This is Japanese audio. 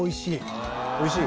おいしい？